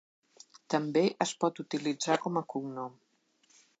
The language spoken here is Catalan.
També es pot utilitzar com a cognom.